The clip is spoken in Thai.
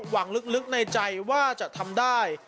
หวังลึกในใจว่าจะทำได้